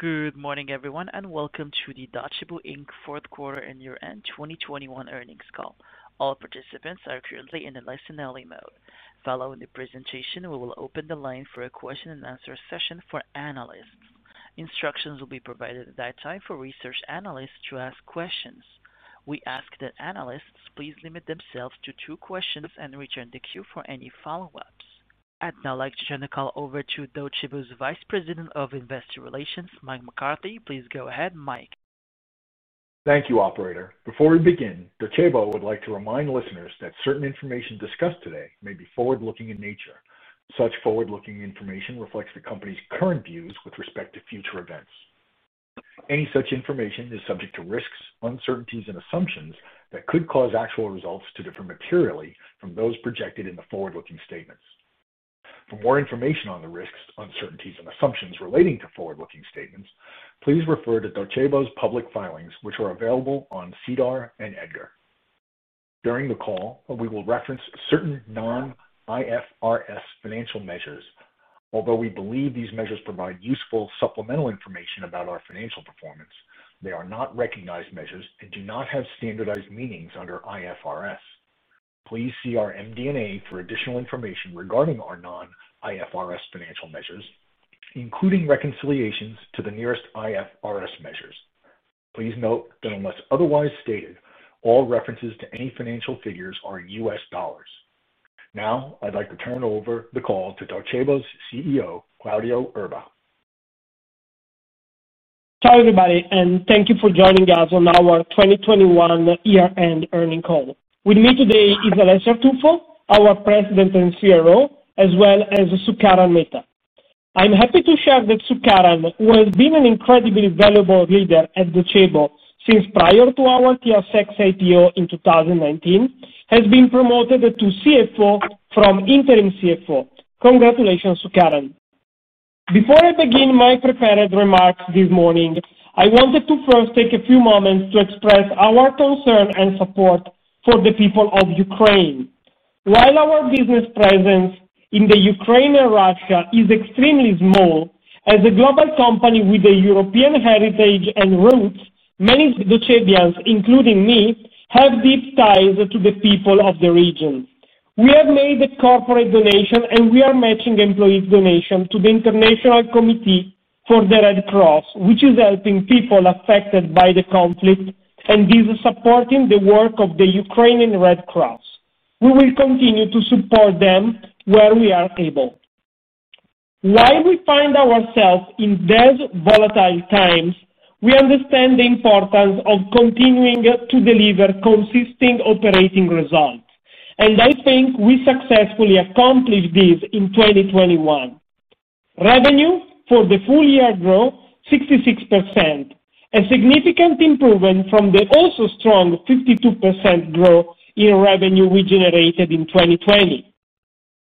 Good morning everyone, and welcome to the Docebo Inc. Q4 and year-end 2021 earnings call. All participants are currently in a listen-only mode. Following the presentation, we will open the line for a Q&A session for analysts. Instructions will be provided at that time for research analysts to ask questions. We ask that analysts please limit themselves to two questions and return to queue for any follow-ups. I'd now like to turn the call over to Docebo's Vice President of Investor Relations, Mike McCarthy. Please go ahead, Mike. Thank you, operator. Before we begin, Docebo would like to remind listeners that certain information discussed today may be forward-looking in nature. Such forward-looking information reflects the company's current views with respect to future events. Any such information is subject to risks, uncertainties, and assumptions that could cause actual results to differ materially from those projected in the forward-looking statements. For more information on the risks, uncertainties, and assumptions relating to forward-looking statements, please refer to Docebo's public filings, which are available on SEDAR and EDGAR. During the call, we will reference certain non-IFRS financial measures. Although we believe these measures provide useful supplemental information about our financial performance, they are not recognized measures and do not have standardized meanings under IFRS. Please see our MD&A for additional information regarding our non-IFRS financial measures, including reconciliations to the nearest IFRS measures. Please note that unless otherwise stated, all references to any financial figures are in U.S. dollars. Now, I'd like to turn over the call to Docebo's CEO, Claudio Erba. Hi, everybody, and thank you for joining us on our 2021 year-end earnings call. With me today is Alessio Artuffo, our President and CRO, as well as Sukaran Mehta. I'm happy to share that Sukaran, who has been an incredibly valuable leader at Docebo since prior to our TSX IPO in 2019, has been promoted to CFO from interim CFO. Congratulations, Sukaran. Before I begin my prepared remarks this morning, I wanted to first take a few moments to express our concern and support for the people of Ukraine. While our business presence in the Ukraine and Russia is extremely small, as a global company with a European heritage and roots, many Docebians, including me, have deep ties to the people of the region. We have made a corporate donation, and we are matching employees' donation to the International Committee for the Red Cross, which is helping people affected by the conflict and is supporting the work of the Ukrainian Red Cross. We will continue to support them where we are able. While we find ourselves in these volatile times, we understand the importance of continuing to deliver consistent operating results, and I think we successfully accomplished this in 2021. Revenue for the full year grow 66%, a significant improvement from the also strong 52% growth in revenue we generated in 2020.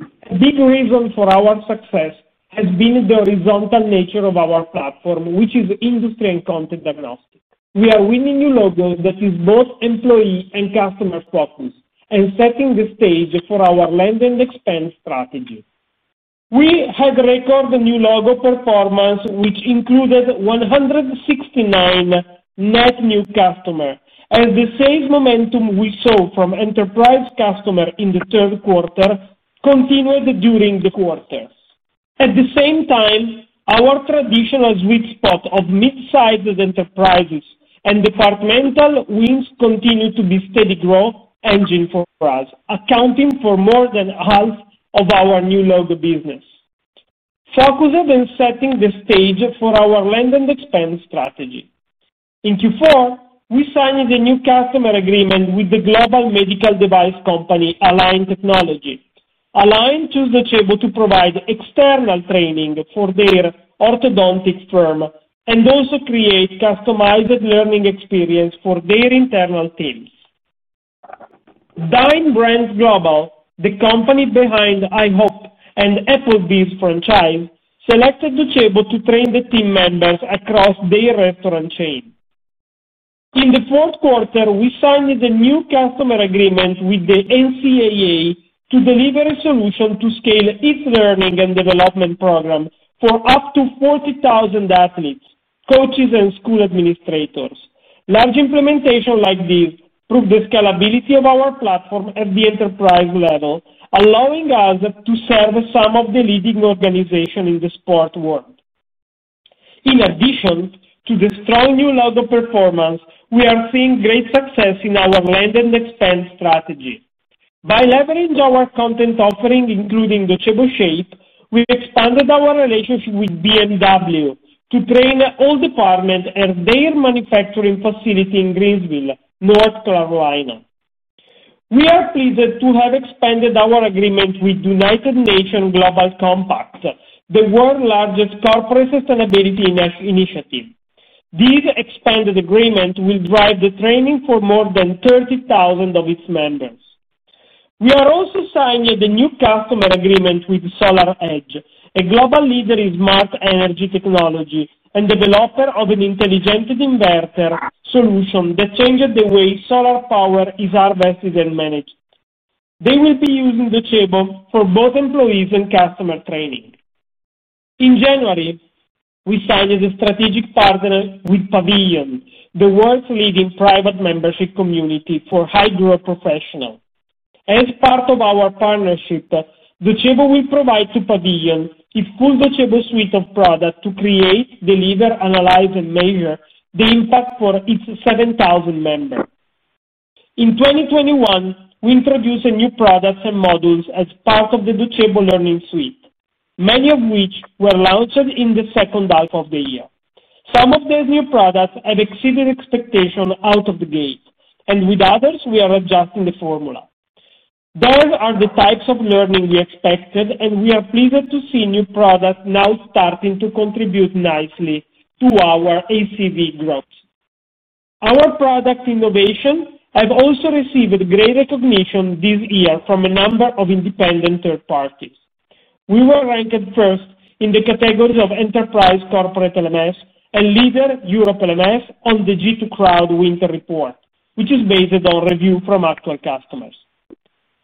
A big reason for our success has been the horizontal nature of our platform, which is industry and content agnostic. We are winning new logos that is both employee and customer-focused and setting the stage for our land and expand strategy. We had record new logo performance which included 169 net new customers as the same momentum we saw from enterprise customers in the Q3 continued during the quarter. At the same time, our traditional sweet spot of mid-sized enterprises and departmental wins continued to be steady growth engine for us, accounting for more than half of our new logo business, focused on setting the stage for our land and expand strategy. In Q4, we signed a new customer agreement with the global medical device company, Align Technology. Align chose Docebo to provide external training for their orthodontic firm and also create customized learning experience for their internal teams. Dine Brands Global, the company behind IHOP and Applebee's franchises, selected Docebo to train the team members across their restaurant chain. In the Q4, we signed a new customer agreement with the NCAA to deliver a solution to scale its learning and development program for up to 40,000 athletes, coaches, and school administrators. Large implementation like this prove the scalability of our platform at the enterprise level, allowing us to serve some of the leading organization in the sport world. In addition to the strong new logo performance, we are seeing great success in our land and expand strategy. By leveraging our content offering, including Docebo Shape, we've expanded our relationship with BMW to train all departments at their manufacturing facility in Greer, South Carolina. We are pleased to have expanded our agreement with United Nations Global Compact, the world's largest corporate sustainability initiative. This expanded agreement will drive the training for more than 30,000 of its members. We are also signing the new customer agreement with SolarEdge, a global leader in smart energy technology and developer of an intelligent inverter solution that changes the way solar power is harvested and managed. They will be using Docebo for both employees and customer training. In January, we signed as a strategic partner with Pavilion, the world's leading private membership community for high-growth professionals. As part of our partnership, Docebo will provide to Pavilion its full Docebo suite of products to create, deliver, analyze, and measure the impact for its 7,000 members. In 2021, we introduced new products and modules as part of the Docebo Learning Suite, many of which were launched in the H2 of the year. Some of these new products have exceeded expectations out of the gate, and with others, we are adjusting the formula. Those are the types of learning we expected, and we are pleased to see new products now starting to contribute nicely to our ACV growth. Our product innovation have also received great recognition this year from a number of independent third parties. We were ranked first in the category of enterprise corporate LMS and leader Europe LMS on the G2 Crowd Winter Report, which is based on reviews from actual customers.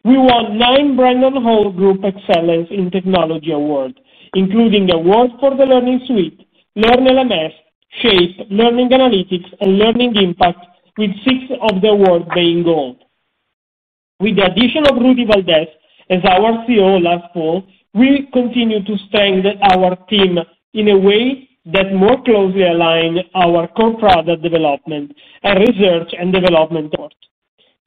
We won nine Brandon Hall Group Excellence in Technology Awards, including awards for the Learning Suite, Learn LMS, Shape, Learning Analytics, and Learning Impact, with six of the awards being gold. With the addition of Rudy Valdez as our COO last fall, we continue to staff our team in a way that more closely align our core product development and research and development goals.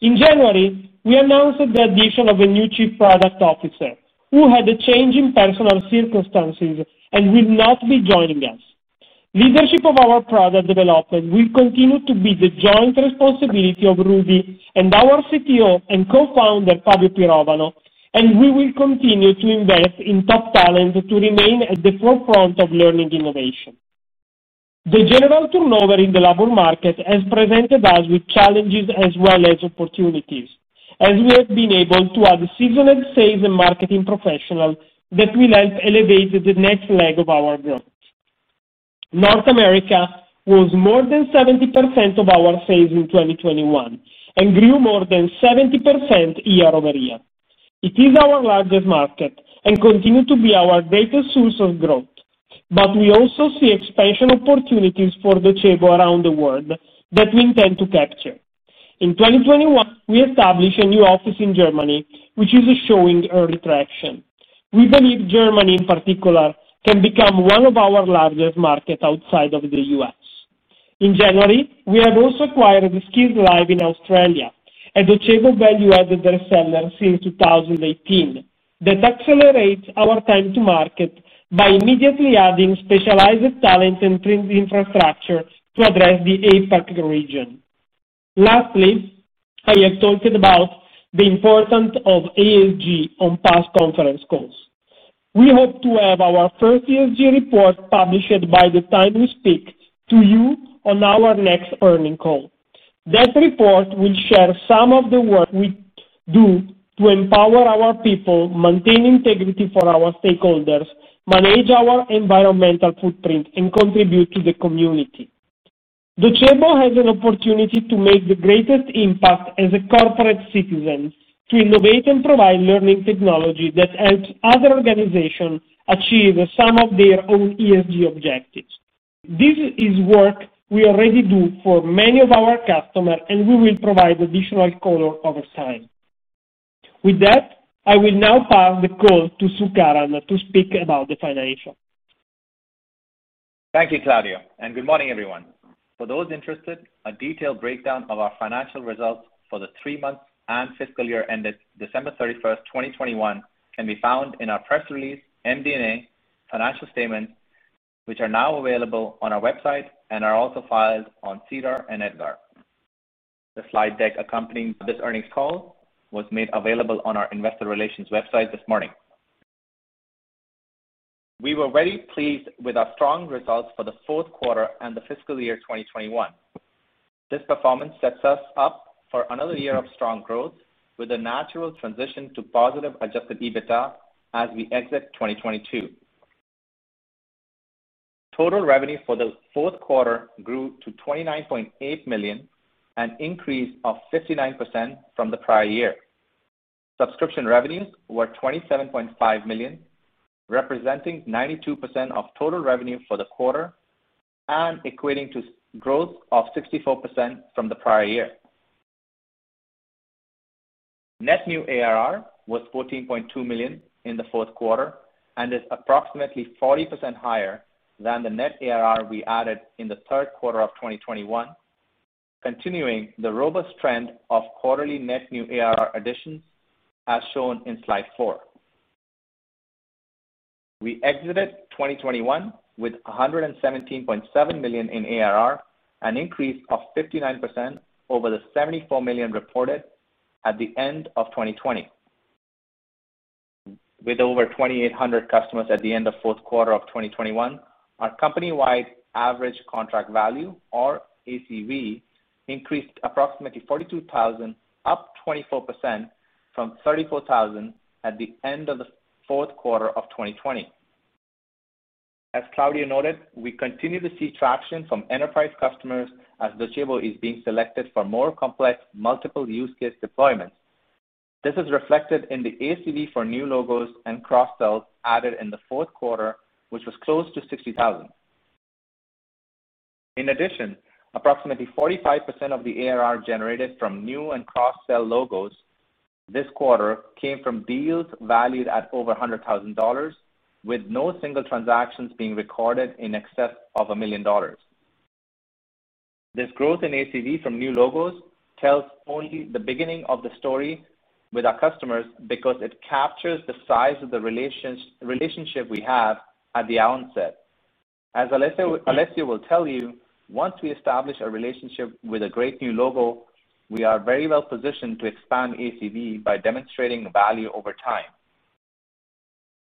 In January, we announced the addition of a new Chief Product Officer who had a change in personal circumstances and will not be joining us. Leadership of our product development will continue to be the joint responsibility of Rudy and our CTO and co-founder, Fabio Pirovano, and we will continue to invest in top talent to remain at the forefront of learning innovation. The general turnover in the labor market has presented us with challenges as well as opportunities, as we have been able to add seasoned sales and marketing professionals that will help elevate the next leg of our growth. North America was more than 70% of our sales in 2021 and grew more than 70% year-over-year. It is our largest market and continue to be our greatest source of growth. We also see expansion opportunities for Docebo around the world that we intend to capture. In 2021, we established a new office in Germany, which is showing early traction. We believe Germany, in particular, can become one of our largest markets outside of the U.S. In January, we have also acquired Skillslive in Australia, a Docebo value-added reseller since 2018 that accelerates our time to market by immediately adding specialized talent and infrastructure to address the APAC region. Lastly, I have talked about the importance of ESG on past conference calls. We hope to have our first ESG report published by the time we speak to you on our next earnings call. That report will share some of the work we do to empower our people, maintain integrity for our stakeholders, manage our environmental footprint, and contribute to the community. Docebo has an opportunity to make the greatest impact as a corporate citizen to innovate and provide learning technology that helps other organizations achieve some of their own ESG objectives. This is work we already do for many of our customers, and we will provide additional color over time. With that, I will now pass the call to Sukaran to speak about the financials. Thank you, Claudio, and good morning, everyone. For those interested, a detailed breakdown of our financial results for the three months and FY ended December 31, 2021, can be found in our press release, MD&A, financial statements, which are now available on our website and are also filed on SEDAR and EDGAR. The slide deck accompanying this earnings call was made available on our investor relations website this morning. We were very pleased with our strong results for the Q4 and the FY 2021. This performance sets us up for another year of strong growth with a natural transition to positive adjusted EBITDA as we exit 2022. Total revenue for the Q4 grew to $29.8 million, an increase of 59% from the prior year. Subscription revenues were $27.5 million, representing 92% of total revenue for the quarter and equating to growth of 64% from the prior year. Net new ARR was $14.2 million in the Q4 and is approximately 40% higher than the net ARR we added in the Q3 of 2021, continuing the robust trend of quarterly net new ARR additions, as shown in slide four. We exited 2021 with $117.7 million in ARR, an increase of 59% over the $74 million reported at the end of 2020. With over 2,800 customers at the end of Q4 2021, our company-wide average contract value or ACV increased approximately $42,000, up 24% from $34,000 at the end of the Q4 of 2020. Claudio noted, we continue to see traction from enterprise customers as Docebo is being selected for more complex multiple use case deployments. This is reflected in the ACV for new logos and cross-sells added in the Q4, which was close to $60,000. In addition, approximately 45% of the ARR generated from new and cross-sell logos this quarter came from deals valued at over $100,000, with no single transactions being recorded in excess of $1 million. This growth in ACV from new logos tells only the beginning of the story with our customers because it captures the size of the relationship we have at the onset. As Alessio will tell you, once we establish a relationship with a great new logo, we are very well positioned to expand ACV by demonstrating value over time.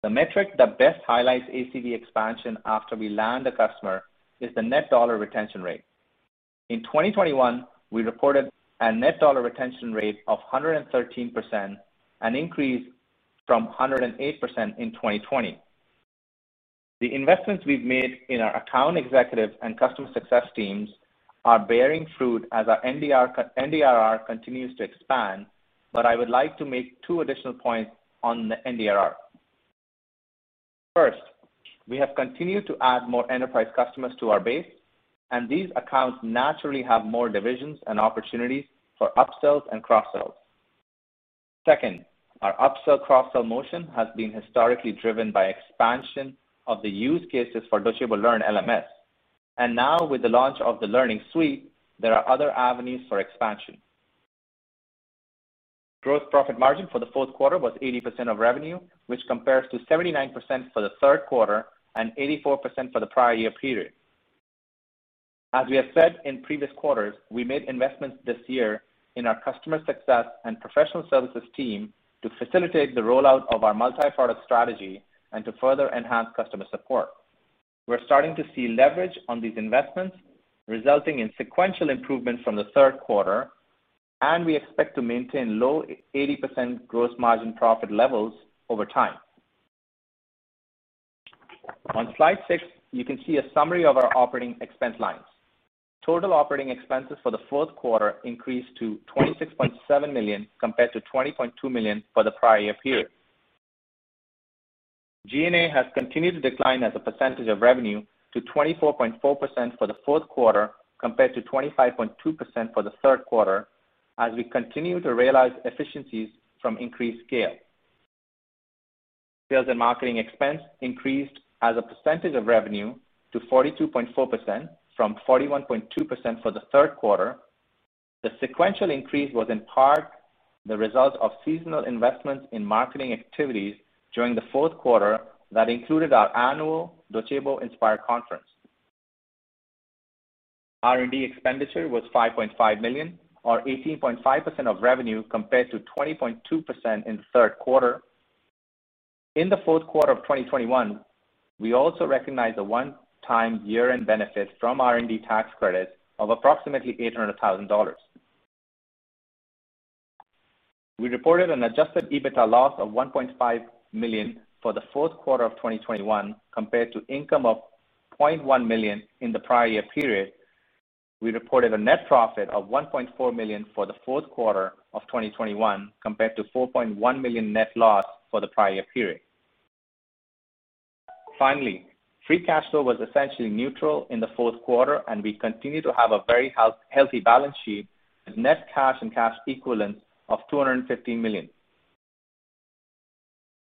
The metric that best highlights ACV expansion after we land a customer is the net dollar retention rate. In 2021, we reported a net dollar retention rate of 113%, an increase from 108% in 2020. The investments we've made in our account executive and customer success teams are bearing fruit as our NDRR continues to expand. I would like to make two additional points on the NDRR. First, we have continued to add more enterprise customers to our base, and these accounts naturally have more divisions and opportunities for upsells and cross-sells. Second, our upsell, cross-sell motion has been historically driven by expansion of the use cases for Docebo Learn LMS. Now with the launch of the Learning Suite, there are other avenues for expansion. Gross profit margin for the Q4 was 80% of revenue, which compares to 79% for the Q3 and 84% for the prior year period. As we have said in previous quarters, we made investments this year in our customer success and professional services team to facilitate the rollout of our multi-product strategy and to further enhance customer support. We're starting to see leverage on these investments, resulting in sequential improvement from the Q3, and we expect to maintain low 80% gross margin profit levels over time. On slide 6, you can see a summary of our operating expense lines. Total operating expenses for the Q4 increased to $26.7 million compared to $20.2 million for the prior year period. G&A has continued to decline as a percentage of revenue to 24.4% for the Q4 compared to 25.2% for the Q3 as we continue to realize efficiencies from increased scale. Sales and marketing expense increased as a percentage of revenue to 42.4% from 41.2% for the Q3. The sequential increase was in part the result of seasonal investments in marketing activities during the Q4 that included our annual Docebo Inspire conference. R&D expenditure was $5.5 million or 18.5% of revenue compared to 20.2% in the Q3. In the Q4 of 2021, we also recognized a one-time year-end benefit from R&D tax credits of approximately $800,000. We reported an adjusted EBITDA loss of $1.5 million for the Q4 of 2021 compared to income of $0.1 million in the prior year period. We reported a net profit of $1.4 million for the Q4 of 2021 compared to $4.1 million net loss for the prior year period. Finally, free cash flow was essentially neutral in the Q4, and we continue to have a very healthy balance sheet with net cash and cash equivalents of $250 million.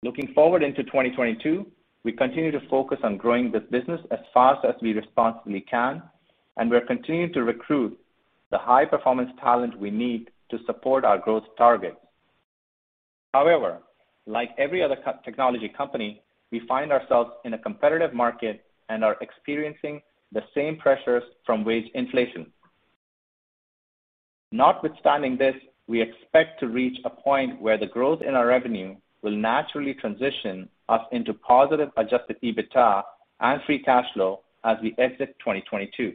Looking forward into 2022, we continue to focus on growing this business as fast as we responsibly can, and we're continuing to recruit the high-performance talent we need to support our growth targets. However, like every other technology company, we find ourselves in a competitive market and are experiencing the same pressures from wage inflation. Notwithstanding this, we expect to reach a point where the growth in our revenue will naturally transition us into positive adjusted EBITDA and free cash flow as we exit 2022.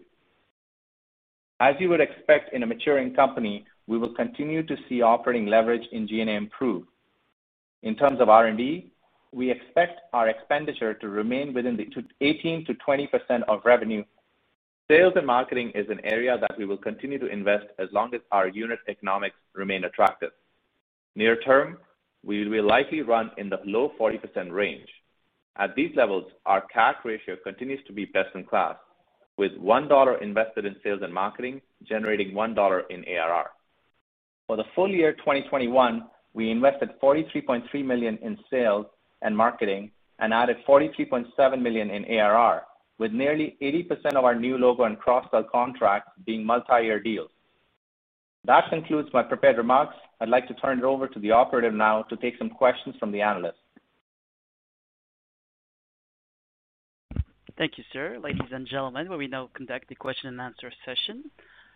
As you would expect in a maturing company, we will continue to see operating leverage in G&A improve. In terms of R&D, we expect our expenditure to remain within the 18% to 20% of revenue. Sales and marketing is an area that we will continue to invest as long as our unit economics remain attractive. Near term, we will likely run in the low 40% range. At these levels, our CAC ratio continues to be best in class, with $1 invested in sales and marketing generating $1 in ARR. For the full year 2021, we invested $43.3 million in sales and marketing and added $43.7 million in ARR, with nearly 80% of our new logo and cross-sell contracts being multi-year deals. That concludes my prepared remarks. I'd like to turn it over to the operator now to take some questions from the analysts. Thank you, sir. Ladies and gentlemen, we will now conduct the Q&A session.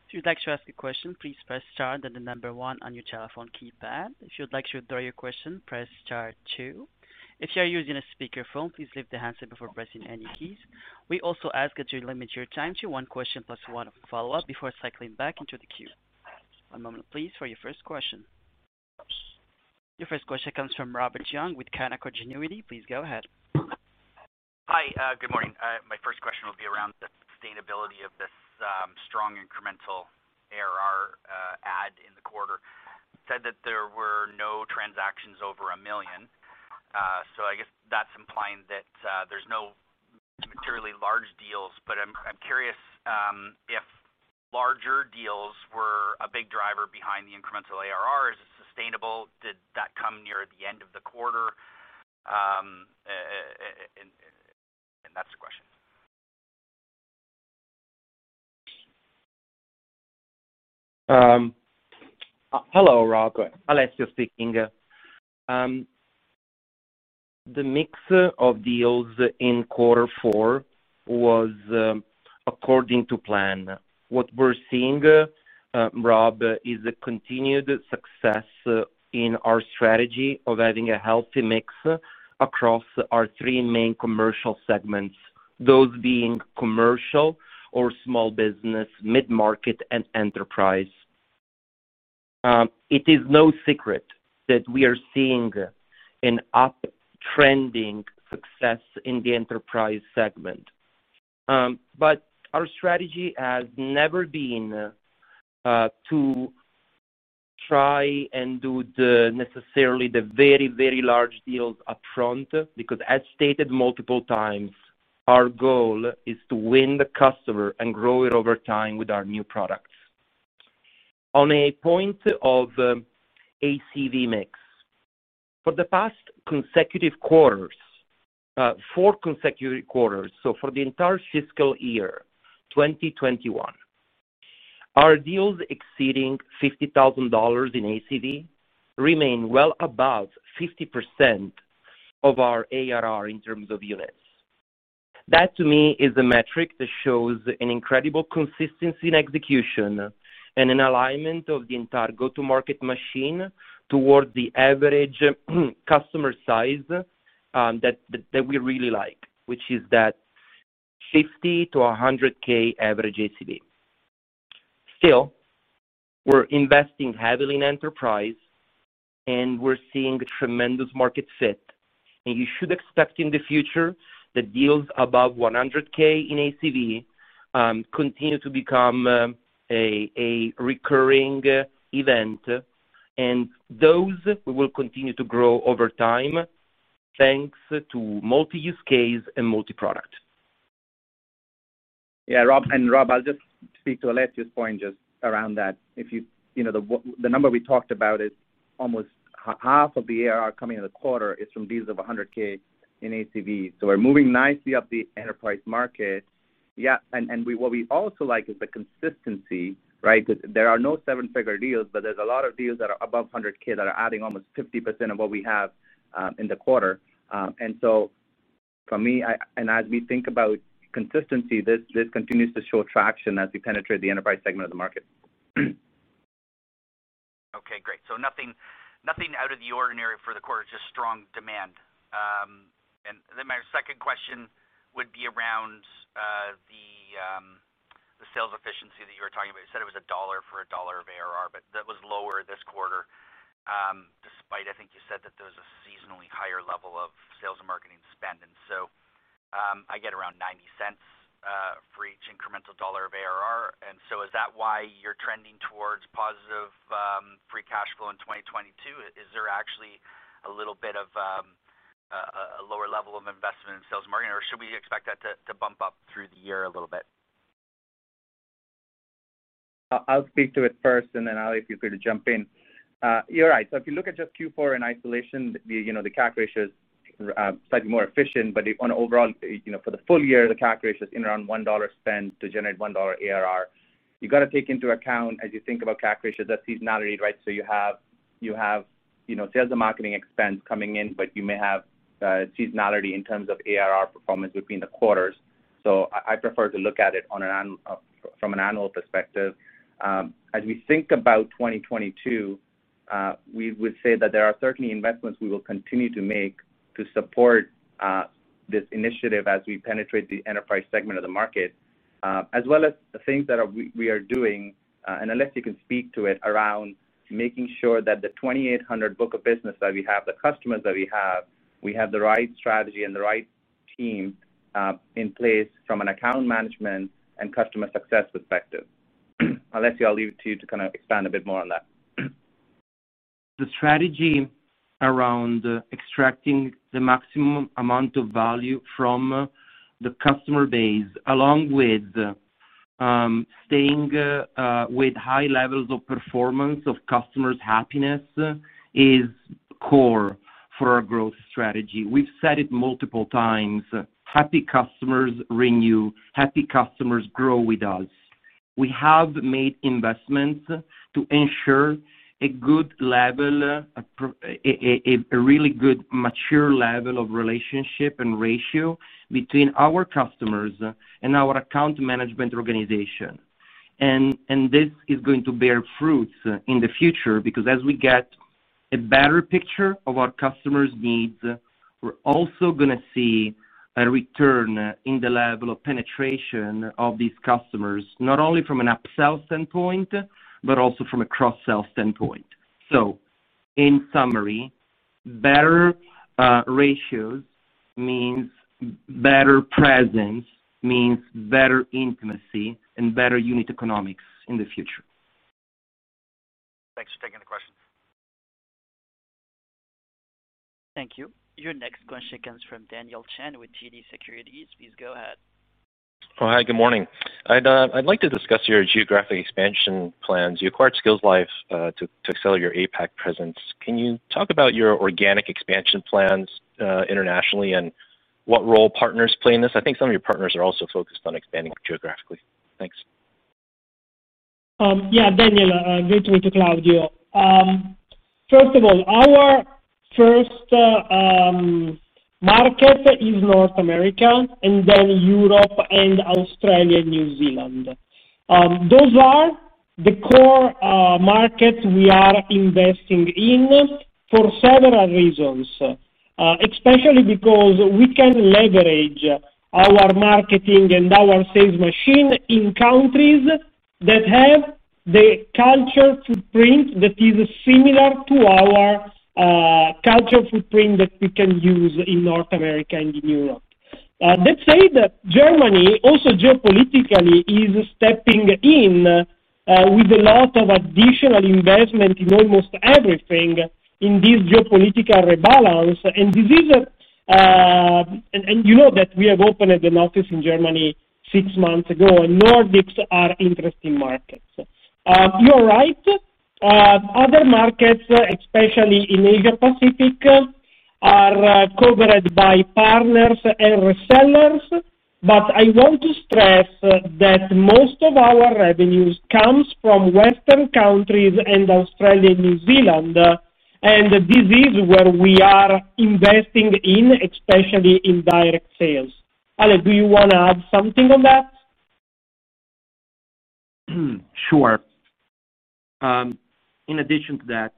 If you'd like to ask a question, please press star, then the number one on your telephone keypad. If you'd like to withdraw your question, press star two. If you are using a speakerphone, please lift the handset before pressing any keys. We also ask that you limit your time to one question plus one follow-up before cycling back into the queue. One moment please for your first question. Your first question comes from Robert Young with Canaccord Genuity. Please go ahead. Hi. Good morning. My first question will be around the sustainability of this strong incremental ARR add in the quarter. You said that there were no transactions over $1 million. So I guess that's implying that there's no materially large deals, but I'm curious if larger deals were a big driver behind the incremental ARR. Is it sustainable? Did that come near the end of the quarter? That's the question. Hello, Rob. Alessio speaking. The mix of deals in quarter four was according to plan. What we're seeing, Rob, is a continued success in our strategy of adding a healthy mix across our three main commercial segments, those being Commercial or Small Business, Mid-Market, and Enterprise. It is no secret that we are seeing an uptrending success in the Enterprise segment. But our strategy has never been to try and do, necessarily, the very, very large deals upfront, because as stated multiple times, our goal is to win the customer and grow it over time with our new products. On a point of ACV mix. For the past consecutive quarters, 4 consecutive quarters, so for the entire FY 2021, our deals exceeding $50,000 in ACV remain well above 50% of our ARR in terms of units. That, to me, is a metric that shows an incredible consistency in execution and an alignment of the entire go-to-market machine towards the average customer size, that we really like, which is that 50 to 100K average ACV. Still, we're investing heavily in enterprise, and we're seeing tremendous market fit. You should expect in the future that deals above 100K in ACV continue to become a recurring event, and those will continue to grow over time, thanks to multi-use case and multi-product. Yeah, Rob. Rob, I'll just speak to Alessio's point just around that. You know, the number we talked about is almost half of the ARR coming in the quarter is from deals of $100K in ACV. We're moving nicely up the enterprise market. Yeah, what we also like is the consistency, right? Because there are no seven-figure deals, but there's a lot of deals that are above $100K that are adding almost 50% of what we have in the quarter. For me, as we think about consistency, this continues to show traction as we penetrate the enterprise segment of the market. Okay, great. Nothing out of the ordinary for the quarter, just strong demand. My second question would be around the sales efficiency that you were talking about. You said it was $1 for $1 of ARR, but that was lower this quarter, despite I think you said that there was a seasonally higher level of sales and marketing spend. I get around $0.90 for each incremental dollar of ARR. Is that why you're trending towards positive free cash flow in 2022? Is there actually a little bit of a lower level of investment in sales and marketing? Or should we expect that to bump up through the year a little bit? I'll speak to it first and then, Alessio, feel free to jump in. You're right. If you look at just Q4 in isolation, you know, the CAC ratio is slightly more efficient. Overall, you know, for the full year, the CAC ratio is around $1 spend to generate $1 ARR. You gotta take into account, as you think about CAC ratio, the seasonality, right? You have, you know, sales and marketing expense coming in, but you may have seasonality in terms of ARR performance between the quarters. I prefer to look at it from an annual perspective. As we think about 2022, we would say that there are certainly investments we will continue to make to support this initiative as we penetrate the enterprise segment of the market, as well as the things that we are doing, and Alessio can speak to it around making sure that the 2,800 book of business that we have, the customers that we have, we have the right strategy and the right team in place from an account management and customer success perspective. Alessio, I'll leave it to you to kinda expand a bit more on that. The strategy around extracting the maximum amount of value from the customer base, along with staying with high levels of performance of customers' happiness is core for our growth strategy. We've said it multiple times. Happy customers renew. Happy customers grow with us. We have made investments to ensure a good level, a really good mature level of relationship and ratio between our customers and our account management organization. This is going to bear fruits in the future because as we get a better picture of our customers' needs, we're also gonna see a return in the level of penetration of these customers, not only from an upsell standpoint, but also from a cross-sell standpoint. In summary, better ratios means better presence, means better intimacy and better unit economics in the future. Thanks for taking the question. Thank you. Your next question comes from Daniel Chan with TD Securities. Please go ahead. Oh, hi, good morning. I'd like to discuss your geographic expansion plans. You acquired Skillslive to sell your APAC presence. Can you talk about your organic expansion plans internationally and what role partners play in this? I think some of your partners are also focused on expanding geographically. Thanks. Yeah, Daniel, going through to Claudio. First of all, our first market is North America, and then Europe and Australia, New Zealand. Those are the core markets we are investing in for several reasons, especially because we can leverage our marketing and our sales machine in countries that have the culture footprint that is similar to our culture footprint that we can use in North America and in Europe. Let's say that Germany also geopolitically is stepping in with a lot of additional investment in almost everything in this geopolitical rebalance, and you know that we have opened an office in Germany six months ago, and Nordics are interesting markets. You're right. Other markets, especially in Asia Pacific, are covered by partners and resellers. I want to stress that most of our revenues comes from Western countries and Australia, New Zealand, and this is where we are investing in, especially in direct sales. Alessio, do you wanna add something on that? Sure. In addition to that,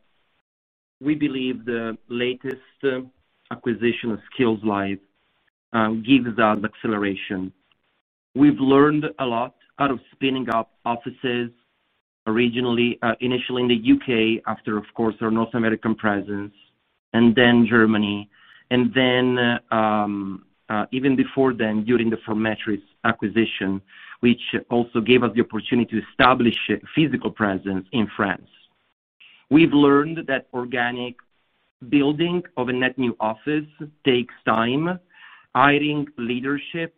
we believe the latest acquisition of Skillslive gives us acceleration. We've learned a lot out of spinning up offices originally initially in the U.K. after, of course, our North American presence and then Germany, and then even before then, during the forMetris acquisition, which also gave us the opportunity to establish physical presence in France. We've learned that organic building of a net new office takes time, hiring leadership,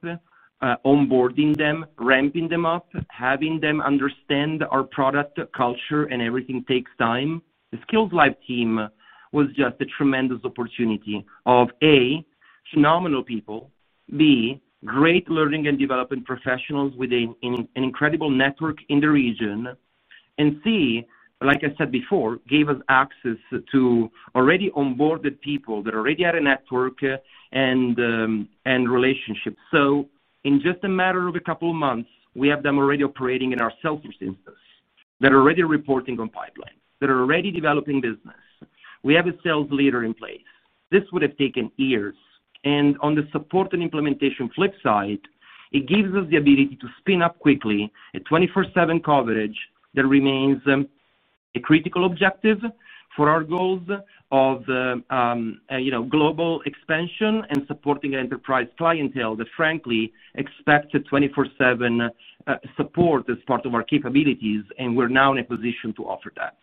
onboarding them, ramping them up, having them understand our product culture and everything takes time. The Skillslive team was just a tremendous opportunity of, A, phenomenal people, B, great learning and development professionals with a, an incredible network in the region, and C, like I said before, gave us access to already onboarded people that already had a network and relationships. In just a matter of a couple of months, we have them already operating in our Salesforce instance. They're already reporting on pipelines. They're already developing business. We have a sales leader in place. This would have taken years. On the support and implementation flip side, it gives us the ability to spin up quickly a 24/7 coverage that remains a critical objective for our goals of, you know, global expansion and supporting enterprise clientele that frankly expect a 24/7 support as part of our capabilities, and we're now in a position to offer that.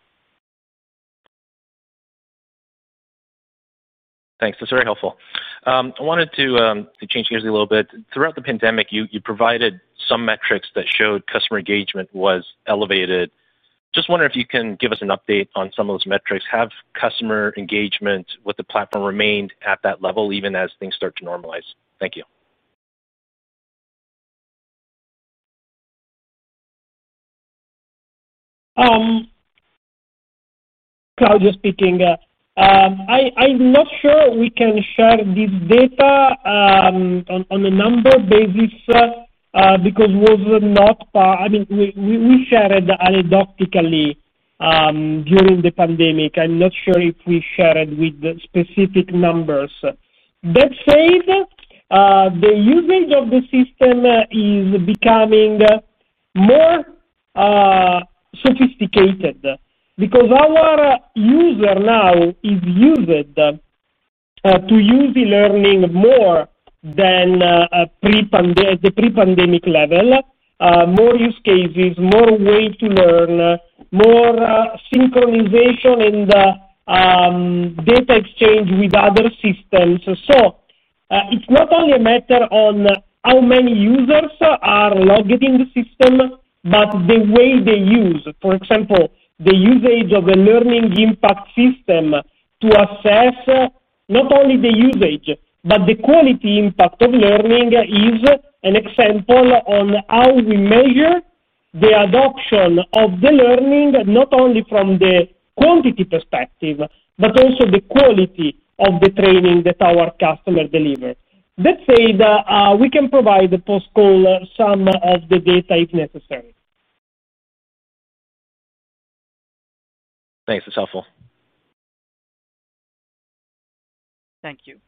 Thanks. That's very helpful. I wanted to change gears a little bit. Throughout the pandemic, you provided some metrics that showed customer engagement was elevated. Just wondering if you can give us an update on some of those metrics. Have customer engagement with the platform remained at that level even as things start to normalize? Thank you. Claudio speaking. I'm not sure we can share this data on a number basis, because I mean, we shared anecdotally during the pandemic. I'm not sure if we shared with the specific numbers. That said, the usage of the system is becoming more sophisticated because our user now is used to use e-learning more than the pre-pandemic level, more use cases, more way to learn, more synchronization and data exchange with other systems. It's not only a matter of how many users are logged in the system, but the way they use. For example, the usage of a learning impact system to assess not only the usage, but the quality impact of learning is an example on how we measure the adoption of the learning, not only from the quantity perspective, but also the quality of the training that our customer deliver. Let's say that, we can provide the post-call some of the data if necessary. Thanks. That's helpful. Thank you.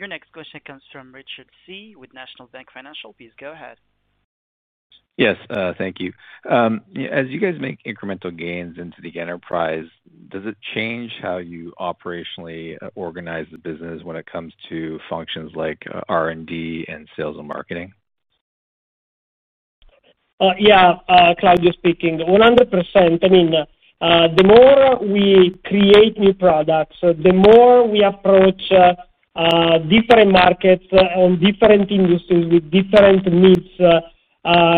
Your next question comes from Richard Tse with National Bank Financial. Please go ahead. Yes, thank you. As you guys make incremental gains into the enterprise, does it change how you operationally organize the business when it comes to functions like R&D and sales and marketing? Claudio speaking. 100%. I mean, the more we create new products, the more we approach different markets and different industries with different needs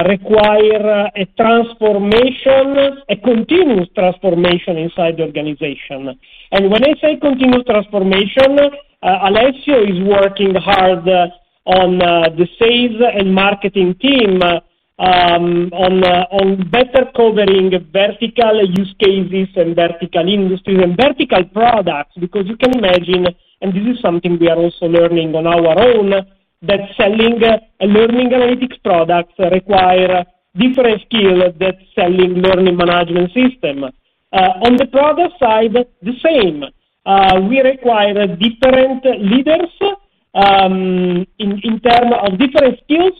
require a transformation, a continuous transformation inside the organization. When I say continuous transformation, Alessio is working hard on the sales and marketing team, on better covering vertical use cases and vertical industries and vertical products. Because you can imagine, and this is something we are also learning on our own, that selling a learning analytics products require different skills than selling learning management system. On the product side, the same. We require different leaders, in terms of different skills,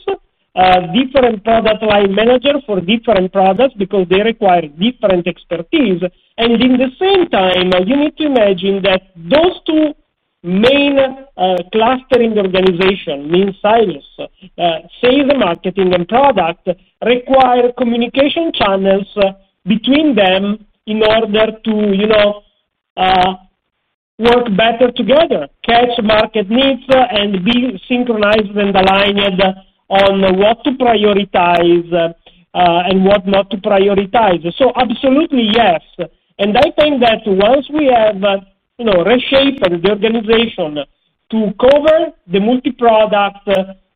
different product line manager for different products because they require different expertise. At the same time, you need to imagine that those two main clustering organizations, meaning silos, sales, marketing, and product, require communication channels between them in order to, you know, work better together, catch market needs, and be synchronized and aligned on what to prioritize, and what not to prioritize. Absolutely, yes. I think that once we have, you know, reshaped the organization to cover the multi-product,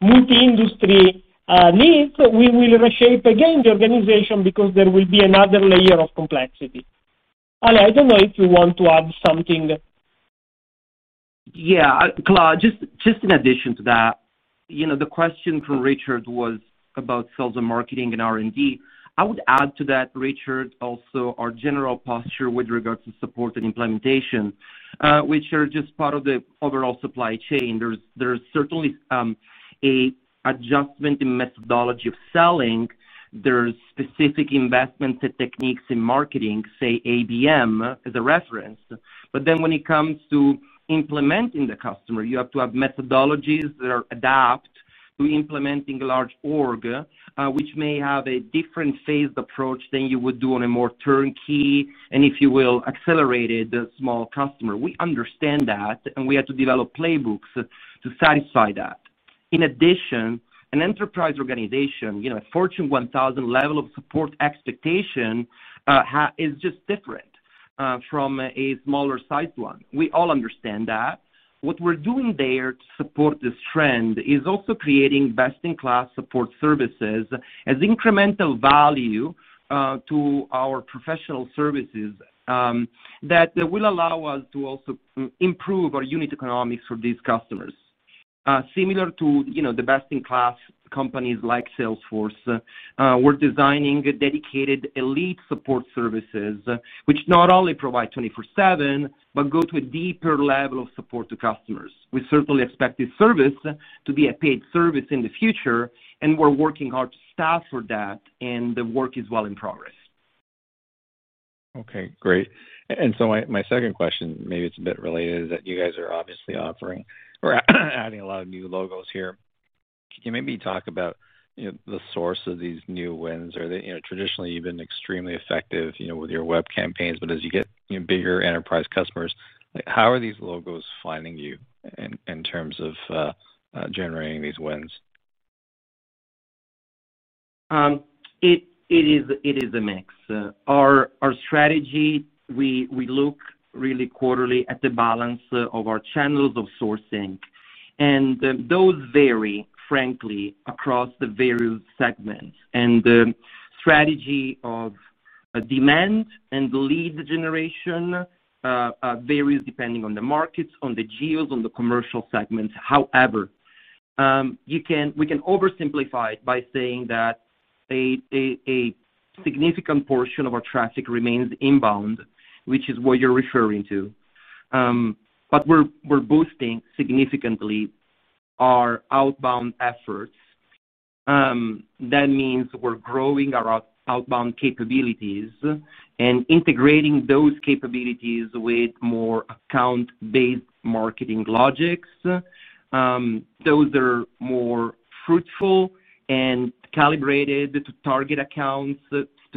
multi-industry needs, we will reshape again the organization because there will be another layer of complexity. Alessio, I don't know if you want to add something. Yeah. Claudio, just in addition to that, you know, the question from Richard was about sales and marketing and R&D. I would add to that, Richard, also our general posture with regards to support and implementation, which are just part of the overall supply chain. There's certainly a adjustment in methodology of selling. There's specific investments and techniques in marketing, say ABM as a reference. But then when it comes to implementing the customer, you have to have methodologies that are adapted to implementing large org, which may have a different phased approach than you would do on a more turnkey, and if you will, accelerated small customer. We understand that, and we had to develop playbooks to satisfy that. In addition, an enterprise organization, you know, Fortune 1000 level of support expectation is just different from a smaller sized one. We all understand that. What we're doing there to support this trend is also creating best-in-class support services as incremental value to our professional services that will allow us to also improve our unit economics for these customers. Similar to, you know, the best-in-class companies like Salesforce, we're designing dedicated elite support services, which not only provide 24/7 but go to a deeper level of support to customers. We certainly expect this service to be a paid service in the future, and we're working hard to staff for that, and the work is well in progress. Okay, great. My second question, maybe it's a bit related, is that you guys are obviously adding a lot of new logos here. Can you maybe talk about, you know, the source of these new wins or the. You know, traditionally, you've been extremely effective, you know, with your web campaigns, but as you get, you know, bigger enterprise customers, like how are these logos finding you in terms of generating these wins? It is a mix. Our strategy, we look really quarterly at the balance of our channels of sourcing. Those vary frankly across the various segments. The strategy of demand and lead generation varies depending on the markets, on the geos, on the commercial segments. However, we can oversimplify it by saying that a significant portion of our traffic remains inbound, which is what you're referring to. We're boosting significantly our outbound efforts. That means we're growing our outbound capabilities and integrating those capabilities with more account-based marketing logics, those are more fruitful and calibrated to target accounts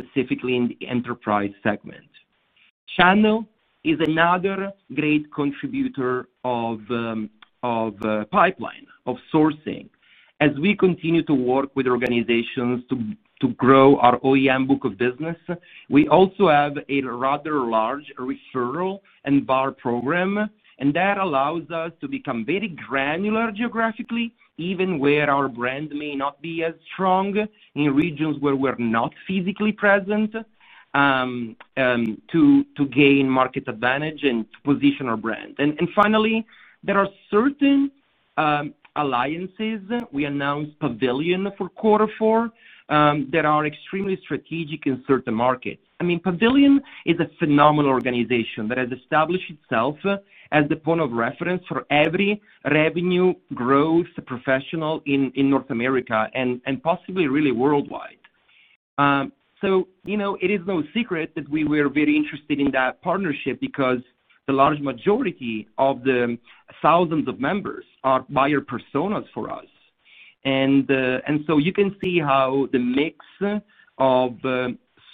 specifically in the enterprise segment. Channel is another great contributor of pipeline, of sourcing. As we continue to work with organizations to grow our OEM book of business, we also have a rather large referral and bar program, and that allows us to become very granular geographically, even where our brand may not be as strong in regions where we're not physically present, to gain market advantage and to position our brand. Finally, there are certain alliances we announced for quarter four that are extremely strategic in certain markets. I mean, Pavilion is a phenomenal organization that has established itself as the point of reference for every revenue growth professional in North America and possibly really worldwide. You know, it is no secret that we were very interested in that partnership because the large majority of the thousands of members are buyer personas for us. You can see how the mix of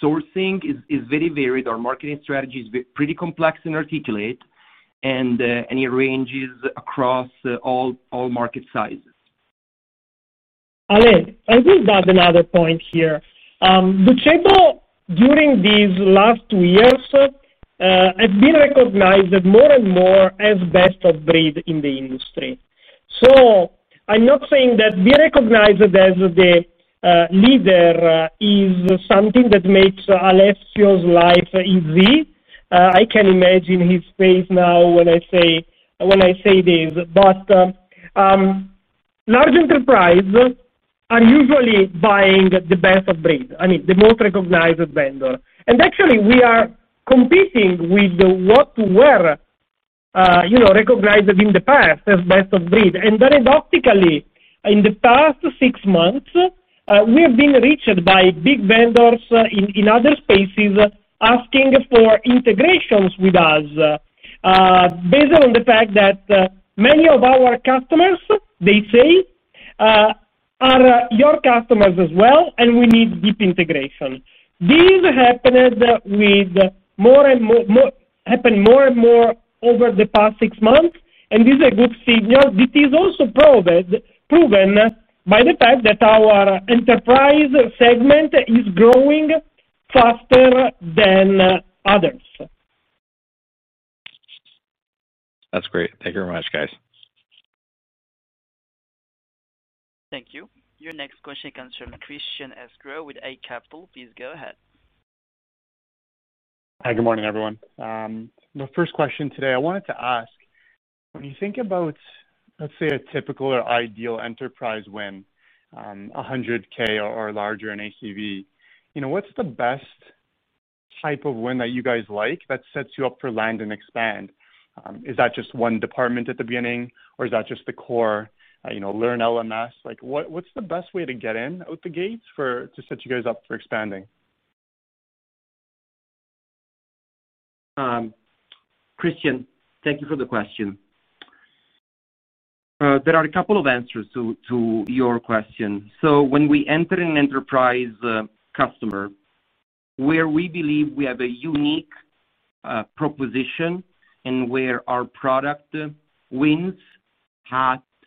sourcing is very varied. Our marketing strategy is pretty complex and articulate, and it ranges across all market sizes. Ale, I think that's another point here. Docebo during these last two years has been recognized more and more as best of breed in the industry. I'm not saying that being recognized as the leader is something that makes Alessio's life easy. I can imagine his face now when I say this. Large enterprise are usually buying the best of breed, I mean, the most recognized vendor. Actually we are competing with what we're you know recognized in the past as best of breed. Anecdotally, in the past six months, we have been reached by big vendors in other spaces asking for integrations with us, based on the fact that many of our customers they say are your customers as well and we need deep integration. This happened more and more over the past six months, and this is a good signal. It is also proven by the fact that our enterprise segment is growing faster than others. That's great. Thank you very much, guys. Thank you. Your next question comes from Christian Sgro with Eight Capital. Please go ahead. Hi, good morning, everyone. My first question today, I wanted to ask, when you think about, let's say, a typical or ideal enterprise win, $100K or larger in ACV, you know, what's the best type of win that you guys like that sets you up for land and expand? Is that just one department at the beginning or is that just the core, you know, Learn LMS? Like, what's the best way to get out of the gate to set you guys up for expanding? Christian, thank you for the question. There are a couple of answers to your question. When we enter an enterprise customer where we believe we have a unique proposition and where our product wins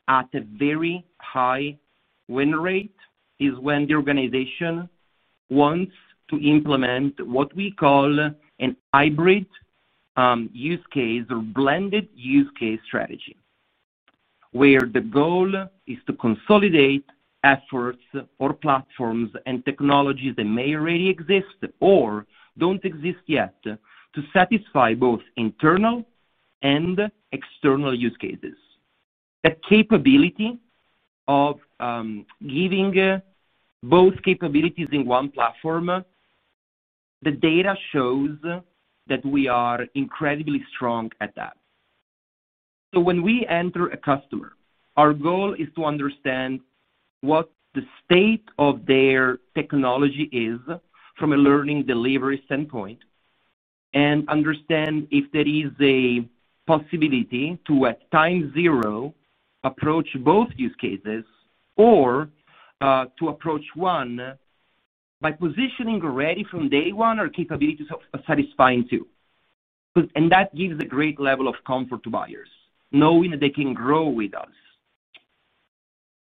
at a very high win rate, is when the organization wants to implement what we call a hybrid use case or blended use case strategy, where the goal is to consolidate efforts or platforms and technologies that may already exist or don't exist yet to satisfy both internal and external use cases. The capability of giving both capabilities in one platform, the data shows that we are incredibly strong at that. When we enter a customer, our goal is to understand what the state of their technology is from a learning delivery standpoint, and understand if there is a possibility to, at time zero, approach both use cases or, to approach one by positioning already from day one our capabilities of satisfying two. That gives a great level of comfort to buyers, knowing that they can grow with us.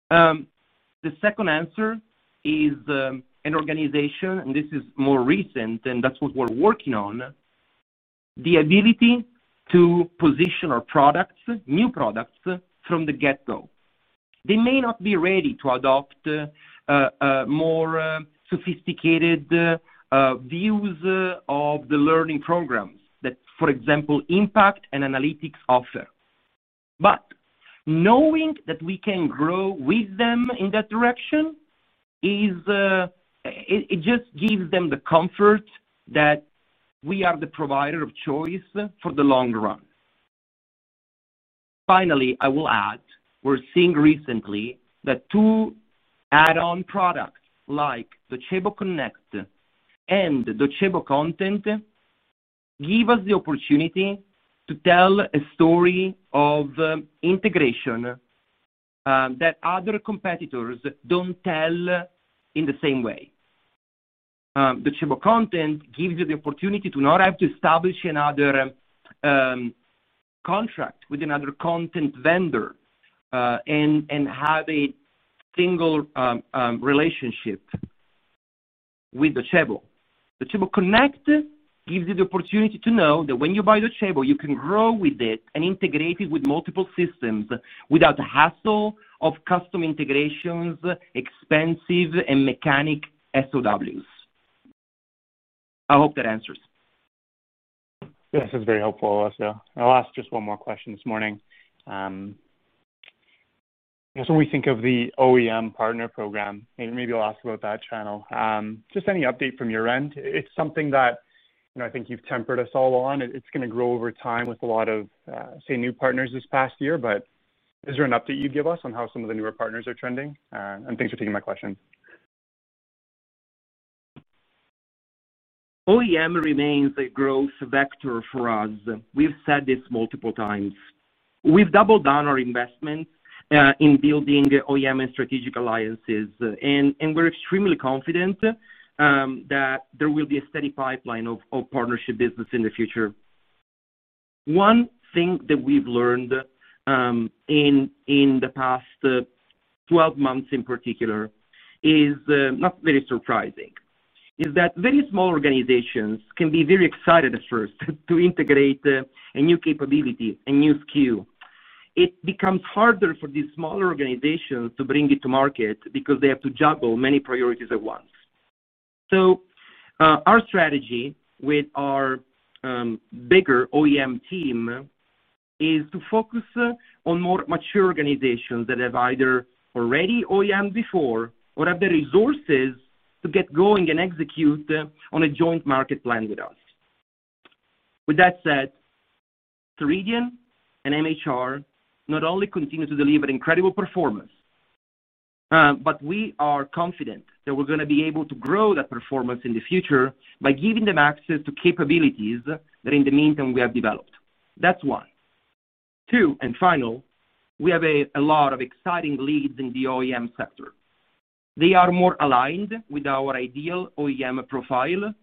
The second answer is, an organization, and this is more recent, and that's what we're working on, the ability to position our products, new products from the get-go. They may not be ready to adopt more sophisticated views of the learning programs that, for example, impact and analytics offer. Knowing that we can grow with them in that direction is, it just gives them the comfort that we are the provider of choice for the long run. Finally, I will add, we're seeing recently that two add-on products like Docebo Connect and Docebo Content give us the opportunity to tell a story of integration that other competitors don't tell in the same way. Docebo Content gives you the opportunity to not have to establish another contract with another content vendor and have a single relationship with Docebo. Docebo Connect gives you the opportunity to know that when you buy Docebo, you can grow with it and integrate it with multiple systems without the hassle of custom integrations, expensive and mechanical SOWs. I hope that answers. Yes, it's very helpful, Alessio. I'll ask just one more question this morning. I guess when we think of the OEM partner program, and maybe I'll ask about that channel, just any update from your end? It's something that, you know, I think you've tempered us all on. It's gonna grow over time with a lot of, say, new partners this past year. But is there an update you'd give us on how some of the newer partners are trending? And thanks for taking my question. OEM remains a growth vector for us. We've said this multiple times. We've doubled down our investment in building OEM and strategic alliances. We're extremely confident that there will be a steady pipeline of partnership business in the future. One thing that we've learned in the past 12 months in particular is not very surprising, is that very small organizations can be very excited at first to integrate a new capability, a new SKU. It becomes harder for these smaller organizations to bring it to market because they have to juggle many priorities at once. Our strategy with our bigger OEM team is to focus on more mature organizations that have either already OEM'd before or have the resources to get going and execute on a joint market plan with us. With that said, Ceridian and MHR not only continue to deliver incredible performance, but we are confident that we're gonna be able to grow that performance in the future by giving them access to capabilities that in the meantime we have developed. That's one. Two, and final, we have a lot of exciting leads in the OEM sector. They are more aligned with our ideal OEM profile,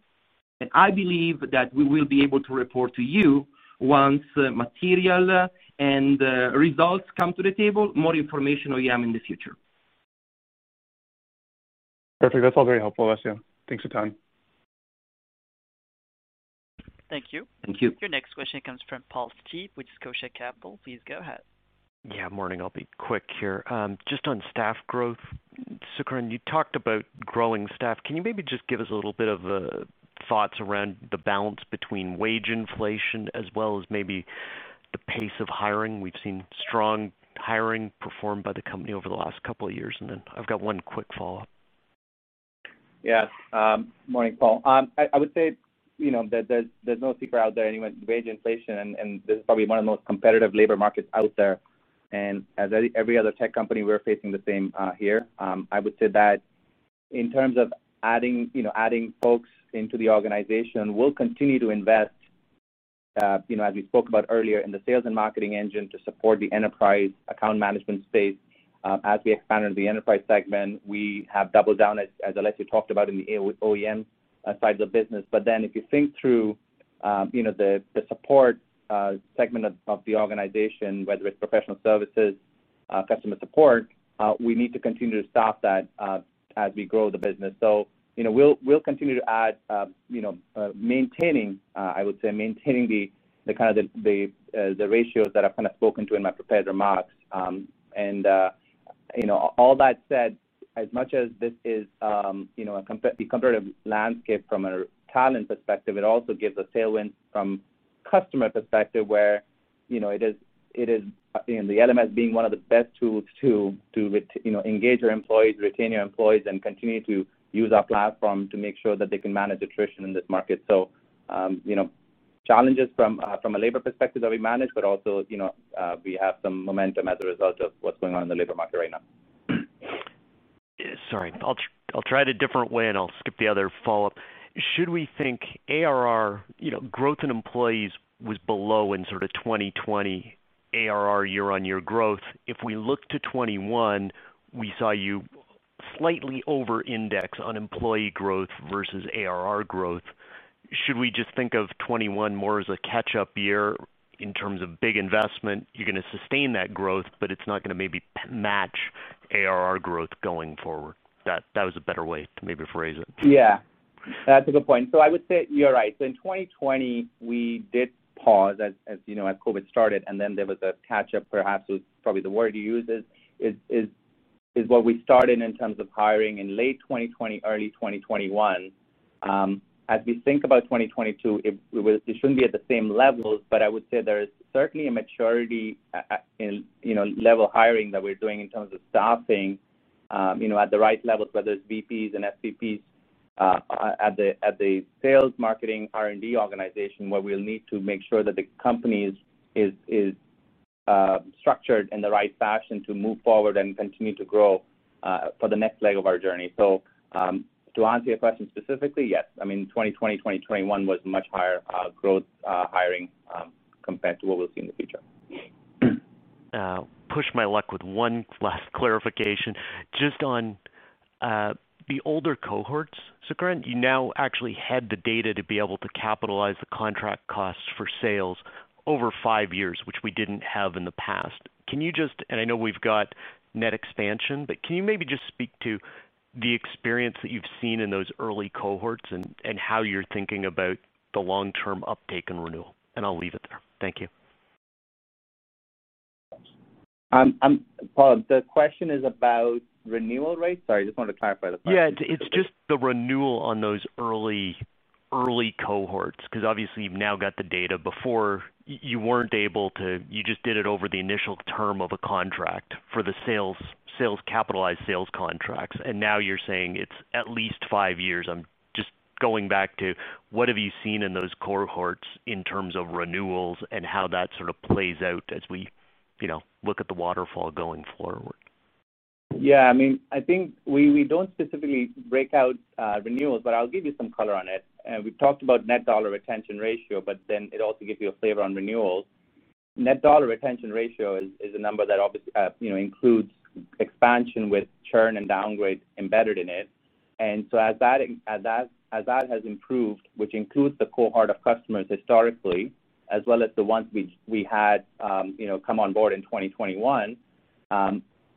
and I believe that we will be able to report to you once material and results come to the table, more information OEM in the future. Perfect. That's all very helpful, Alessio. Thanks for your time. Thank you. Thank you. Your next question comes from Paul Steep with Scotia Capital. Please go ahead. Yeah. Morning, I'll be quick here. Just on staff growth. Sukaran, you talked about growing staff. Can you maybe just give us a little bit of a thoughts around the balance between wage inflation as well as maybe the pace of hiring? We've seen strong hiring performed by the company over the last couple of years. Then I've got one quick follow-up. Yes. Morning, Paul. I would say, you know, that there's no secret out there to anyone that wage inflation and this is probably one of the most competitive labor markets out there. As every other tech company, we're facing the same here. I would say that in terms of adding folks into the organization, we'll continue to invest, you know, as we spoke about earlier in the sales and marketing engine to support the enterprise account management space. As we expanded the enterprise segment, we have doubled down as Alessio talked about in the ABM with OEM sides of business. If you think through, you know, the support segment of the organization, whether it's professional services, customer support, we need to continue to staff that as we grow the business. You know, we'll continue to add, you know, maintaining, I would say, the kind of ratios that I've kind of spoken to in my prepared remarks. You know, all that said, as much as this is, you know, the competitive landscape from a talent perspective, it also gives a tailwind from customer perspective where, you know, it is, you know, the LMS being one of the best tools to re-engage your employees, retain your employees, and continue to use our platform to make sure that they can manage attrition in this market. You know, challenges from a labor perspective that we manage, but also, you know, we have some momentum as a result of what's going on in the labor market right now. Sorry. I'll try it a different way, and I'll skip the other follow-up. Should we think ARR, you know, growth in employees was below in sort of 2020 ARR year-on-year growth. If we look to 2021, we saw you slightly over-index on employee growth versus ARR growth. Should we just think of 2021 more as a catch-up year in terms of big investment? You're gonna sustain that growth, but it's not gonna maybe match ARR growth going forward. That was a better way to maybe phrase it. Yeah. That's a good point. I would say you're right. In 2020, we did pause as you know, as COVID started, and then there was a catch-up perhaps was probably the word you used, is what we started in terms of hiring in late 2020, early 2021. As we think about 2022, it shouldn't be at the same levels, but I would say there is certainly a maturity in level hiring that we're doing in terms of staffing, you know, at the right levels, whether it's VPs and SVPs at the sales marketing R&D organization, where we'll need to make sure that the company is structured in the right fashion to move forward and continue to grow for the next leg of our journey. To answer your question specifically, yes. I mean, 2020, 2021 was much higher growth, hiring compared to what we'll see in the future. Push my luck with one last clarification. Just on the older cohorts, Sukaran, you now actually had the data to be able to capitalize the contract costs for sales over five years, which we didn't have in the past. Can you just, I know we've got net expansion, but can you maybe just speak to the experience that you've seen in those early cohorts and how you're thinking about the long-term uptake and renewal? I'll leave it there. Thank you. Paul, the question is about renewal rates. Sorry, I just wanted to clarify the question. Yeah. It's just the renewal on those early cohorts, because obviously you've now got the data. Before you weren't able to. You just did it over the initial term of a contract for the sales, capitalized sales contracts, and now you're saying it's at least five years. I'm just going back to what have you seen in those cohorts in terms of renewals and how that sort of plays out as we, you know, look at the waterfall going forward? Yeah. I mean, I think we don't specifically break out renewals, but I'll give you some color on it. We've talked about net dollar retention ratio, but then it also gives you a flavor on renewals. Net dollar retention ratio is a number that you know includes expansion with churn and downgrade embedded in it. As that has improved, which includes the cohort of customers historically as well as the ones which we had you know come on board in 2021,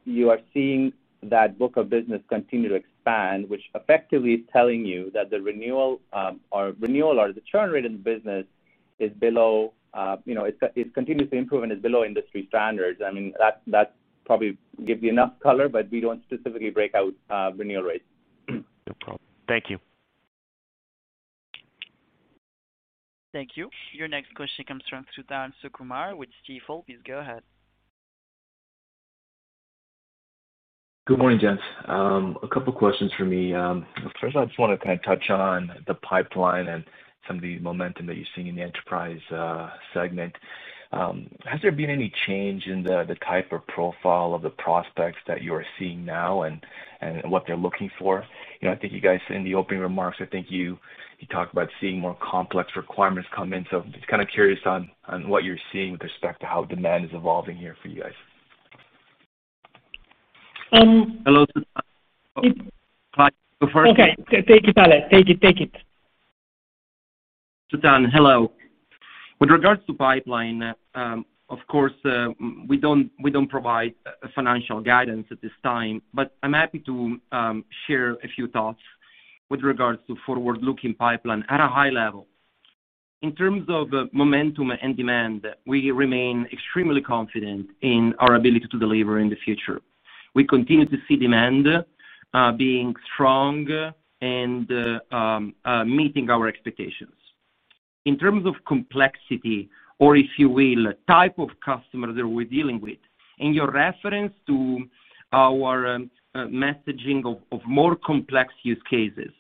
you are seeing that book of business continue to expand, which effectively is telling you that the renewal or the churn rate in the business is below you know it's continuously improving. It's below industry standards. I mean, that probably give you enough color, but we don't specifically break out renewal rates. No problem. Thank you. Thank you. Your next question comes from Suthan Sukumar with Stifel. Please go ahead. Good morning, gents. A couple questions for me. First I just wanna kinda touch on the pipeline and some of the momentum that you're seeing in the enterprise segment. Has there been any change in the type or profile of the prospects that you are seeing now and what they're looking for? You know, I think you guys said in the opening remarks. I think you talked about seeing more complex requirements come in, so just kinda curious on what you're seeing with respect to how demand is evolving here for you guys. Um- Hello, Suthan. If- Hi. Go first. Okay. Take it, Alessio. Suthan, hello. With regards to pipeline, of course, we don't provide financial guidance at this time, but I'm happy to share a few thoughts with regards to forward-looking pipeline at a high level. In terms of momentum and demand, we remain extremely confident in our ability to deliver in the future. We continue to see demand being strong and meeting our expectations. In terms of complexity or, if you will, type of customer that we're dealing with, in your reference to our messaging of more complex use cases,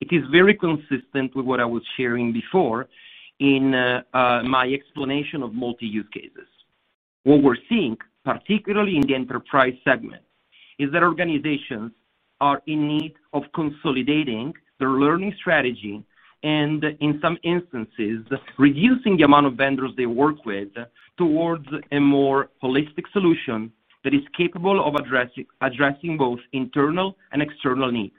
it is very consistent with what I was sharing before in my explanation of multi-use cases. What we're seeing, particularly in the enterprise segment, is that organizations are in need of consolidating their learning strategy and, in some instances, reducing the amount of vendors they work with towards a more holistic solution that is capable of addressing both internal and external needs.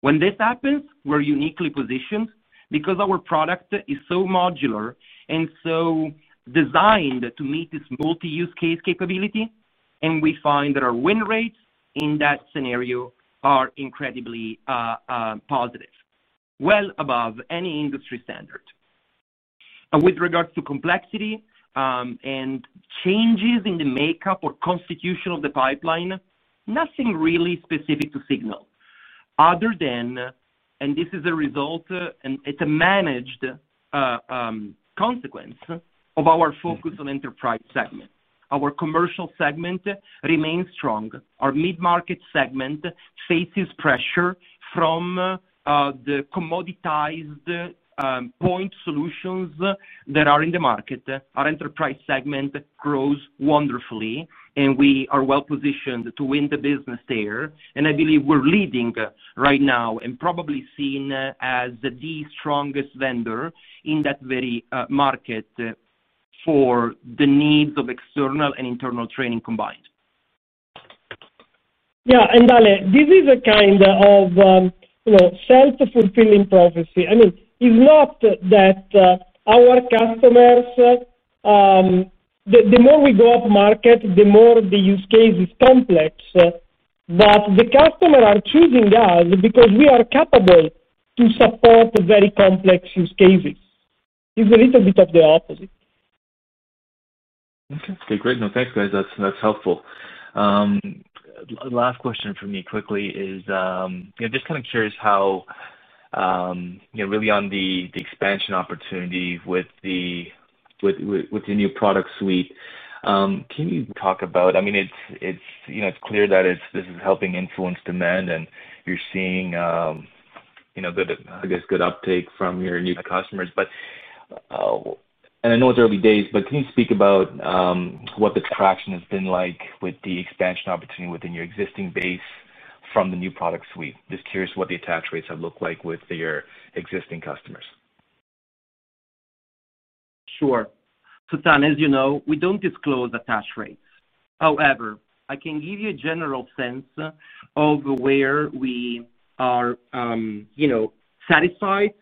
When this happens, we're uniquely positioned because our product is so modular and so designed to meet this multi-use case capability, and we find that our win rates in that scenario are incredibly positive, well above any industry standard. With regards to complexity and changes in the makeup or constitution of the pipeline, nothing really specific to signal other than, and this is a result and it's a managed consequence of our focus on enterprise segment. Our commercial segment remains strong. Our mid-market segment faces pressure from the commoditized point solutions that are in the market. Our enterprise segment grows wonderfully, and we are well-positioned to win the business there. I believe we're leading right now and probably seen as the strongest vendor in that very market for the needs of external and internal training combined. Yeah. Alessio, this is a kind of, you know, self-fulfilling prophecy. I mean, it's not that our customers. The more we go upmarket, the more the use case is complex, but the customer are choosing us because we are capable to support very complex use cases. It's a little bit of the opposite. Okay. Great. No, thanks, guys. That's helpful. Last question for me quickly is, you know, just kinda curious how, you know, really on the expansion opportunity with the new product suite, can you talk about, I mean, it's clear that this is helping influence demand and you're seeing, you know, good, I guess, uptake from your new customers. I know it's early days, but can you speak about what the traction has been like with the expansion opportunity within your existing base from the new product suite? Just curious what the attach rates have looked like with your existing customers. Sure. Suthan, as you know, we don't disclose attach rates. However, I can give you a general sense of where we are, you know, satisfied,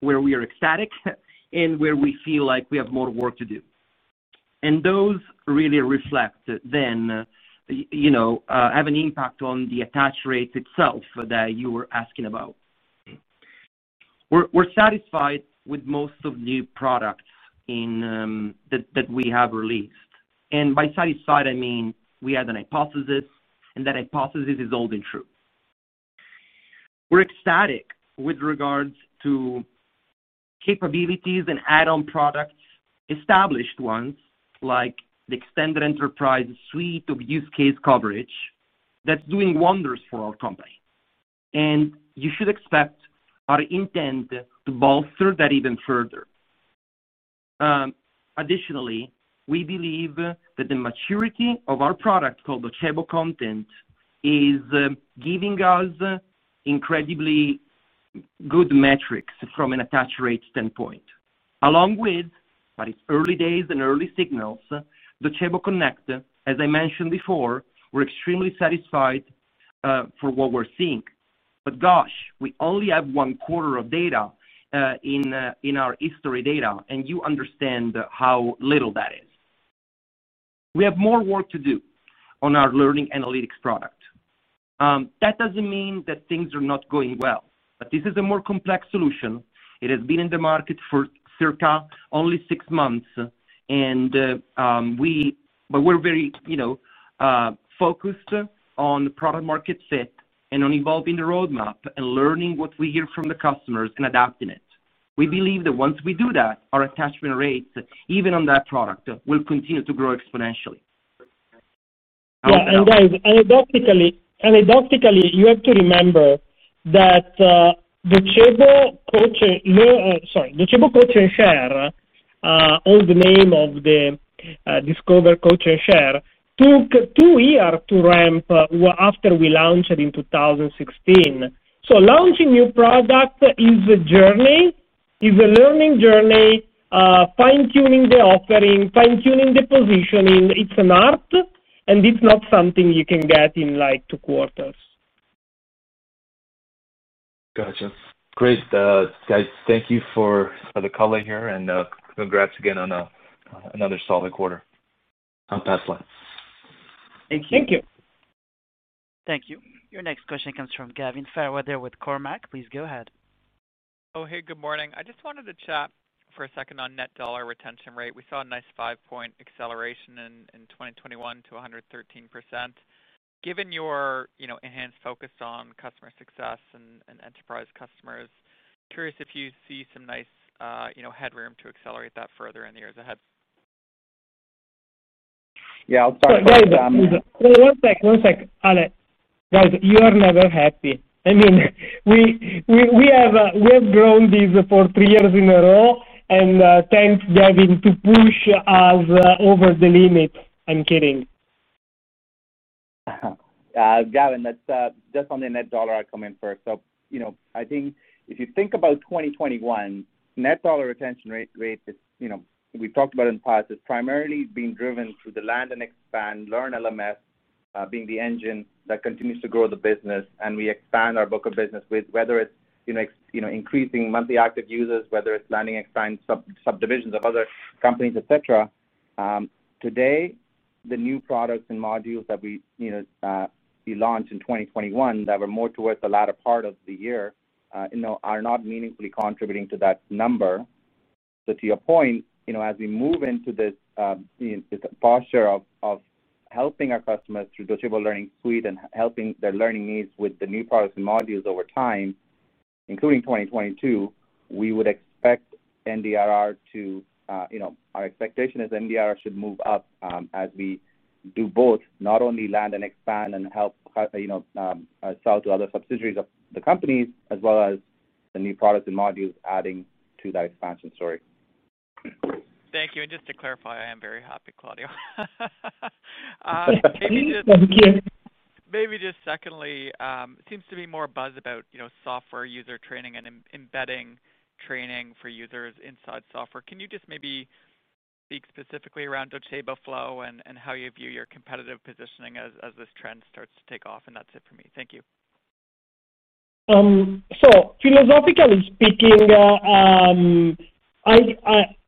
where we are ecstatic, and where we feel like we have more work to do. Those really reflect then, you know, have an impact on the attach rate itself that you were asking about. We're satisfied with most of new products in, that we have released. By satisfied, I mean, we had an hypothesis, and that hypothesis is holding true. We're ecstatic with regards to capabilities and add-on products, established ones like the extended enterprise suite of use case coverage, that's doing wonders for our company. You should expect our intent to bolster that even further. Additionally, we believe that the maturity of our product, called Docebo Content, is giving us incredibly good metrics from an attach rate standpoint. It's early days and early signals, Docebo Connect, as I mentioned before. We're extremely satisfied with what we're seeing. Gosh, we only have one quarter of data in our historical data, and you understand how little that is. We have more work to do on our learning analytics product. That doesn't mean that things are not going well, but this is a more complex solution. It has been in the market for circa only six months, but we're very, you know, focused on product market fit and on evolving the roadmap and learning what we hear from the customers and adapting it. We believe that once we do that, our attachment rates, even on that product, will continue to grow exponentially. Yeah. Guys, anecdotally, you have to remember that, Docebo Coach and Share, old name of the Discover, Coach & Share, took two years to ramp up after we launched it in 2016. Launching new product is a journey, is a learning journey, fine-tuning the offering, fine-tuning the positioning. It's an art, and it's not something you can get in, like, two quarters. Gotcha. Great. Guys, thank you for the call here and congrats again on another solid quarter. Excellent. Thank you. Thank you. Thank you. Your next question comes from Gavin Fairweather there with Cormark. Please go ahead. Oh, hey, good morning. I just wanted to chat for a second on net dollar retention rate. We saw a nice 5-point acceleration in 2021 to 113%. Given your, you know, enhanced focus on customer success and enterprise customers, curious if you see some nice, you know, headroom to accelerate that further in the years ahead. Yeah. I'll start with that. One sec, Alessio. Guys, you are never happy. I mean, we have grown this for three years in a row, and thanks, Gavin, to push us over the limit. I'm kidding. Gavin, that's just on the net dollar, I'll come in first. You know, I think if you think about 2021, net dollar retention rate is, you know, we've talked about in the past, it's primarily being driven through the land and expand, Learn LMS, being the engine that continues to grow the business. We expand our book of business with whether it's, you know, increasing monthly active users, whether it's landing and expanding subdivisions of other companies, et cetera. Today, the new products and modules that we, you know, we launched in 2021 that were more towards the latter part of the year, you know, are not meaningfully contributing to that number. To your point, you know, as we move into this, you know, this posture of helping our customers through Docebo Learning Suite and helping their learning needs with the new products and modules over time, including 2022, we would expect NDRR to. Our expectation is NDRR should move up, as we do both, not only land and expand and help you know sell to other subsidiaries of the companies as well as the new products and modules adding to that expansion story. Thank you. Just to clarify, I am very happy, Claudio. Thank you. Maybe just secondly, seems to be more buzz about, you know, software user training and embedding training for users inside software. Can you just maybe speak specifically around Docebo Flow and how you view your competitive positioning as this trend starts to take off? That's it for me. Thank you. Philosophically speaking,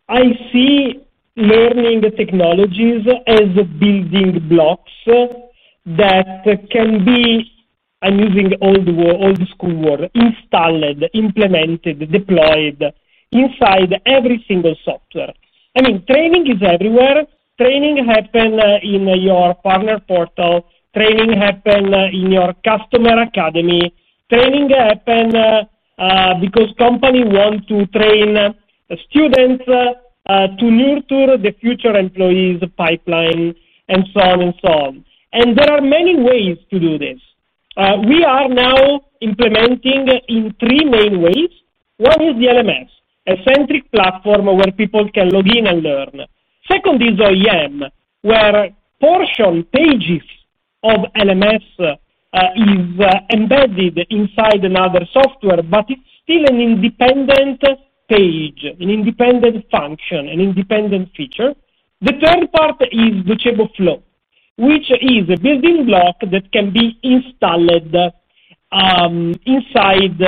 I see learning technologies as building blocks that can be, I'm using old school word, installed, implemented, deployed inside every single software. I mean, training is everywhere. Training happen in your partner portal, training happen in your customer academy. Training happen because company want to train students to nurture the future employees pipeline and so on and so on. There are many ways to do this. We are now implementing in three main ways. One is the LMS-centric platform where people can log in and learn. Second is OEM, where portion, pages of LMS is embedded inside another software, but it's still an independent page, an independent function, an independent feature. The third part is Docebo Flow, which is a building block that can be installed inside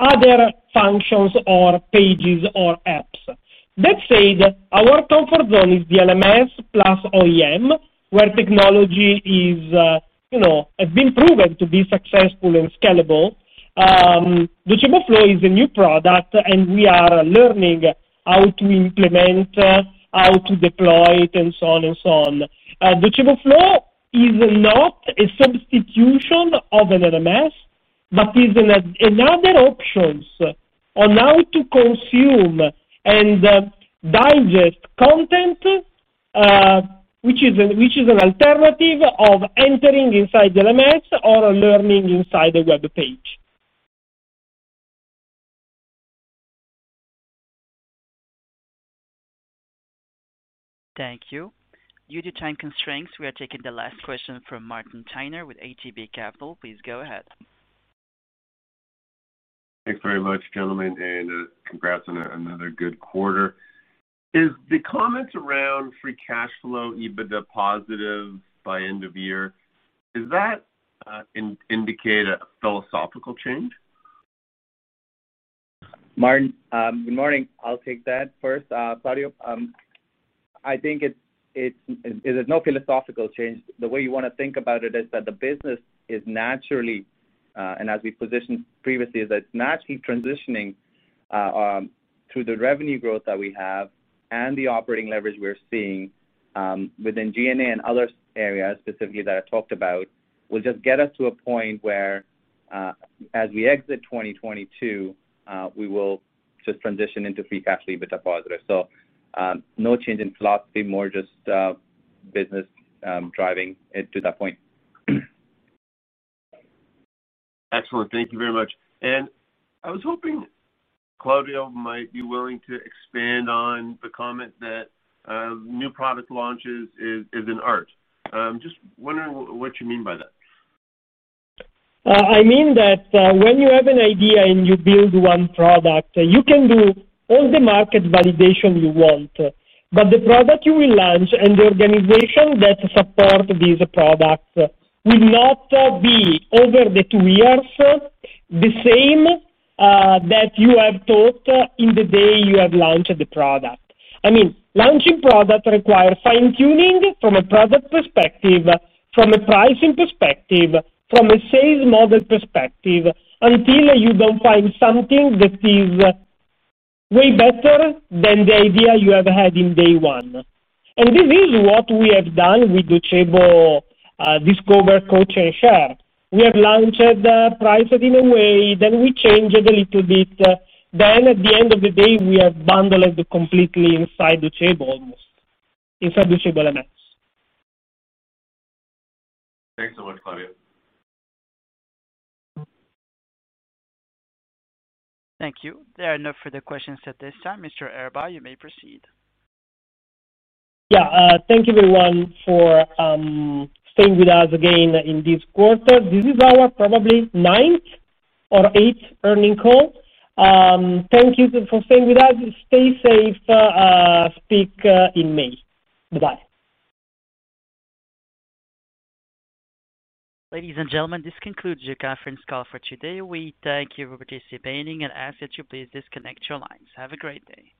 other functions or pages or apps. Let's say that our comfort zone is the LMS plus OEM, where technology has been proven to be successful and scalable. Docebo Flow is a new product, and we are learning how to implement, how to deploy it, and so on. Docebo Flow is not a substitution of an LMS, but is another option on how to consume and digest content, which is an alternative of entering inside the LMS or learning inside a web page. Thank you. Due to time constraints, we are taking the last question from Martin Toner with ATB Capital. Please go ahead. Thanks very much, gentlemen, and congrats on another good quarter. Is the comments around free cash flow, EBITDA positive by end of year? Does that indicate a philosophical change? Martin, good morning. I'll take that first. Claudio, I think it's no philosophical change. The way you wanna think about it is that the business is naturally and as we positioned previously, is naturally transitioning through the revenue growth that we have and the operating leverage we're seeing within G&A and other areas specifically that I talked about will just get us to a point where as we exit 2022, we will just transition into free cash EBITDA positive. No change in philosophy, more just business driving it to that point. Excellent. Thank you very much. I was hoping Claudio might be willing to expand on the comment that new product launches is an art. Just wondering what you mean by that. I mean that when you have an idea and you build one product you can do all the market validation you want but the product you will launch and the organization that support this product will not be over the two years the same that you have thought in the day you have launched the product. I mean launching product require fine-tuning from a product perspective from a pricing perspective from a sales model perspective until you don't find something that is way better than the idea you have had in day one. This is what we have done with Docebo Discover, Coach & Share. We have launched priced it in a way then we changed it a little bit. At the end of the day we have bundled it completely inside Docebo almost inside Docebo elements. Thanks so much, Claudio. Thank you. There are no further questions at this time. Mr. Erba, you may proceed. Yeah. Thank you everyone for staying with us again in this quarter. This is our probably 9th or 8th earnings call. Thank you for staying with us. Stay safe. Speak in May. Bye-bye. Ladies and gentlemen, this concludes your conference call for today. We thank you for participating and ask that you please disconnect your lines. Have a great day.